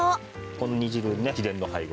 この煮汁ね秘伝の配合。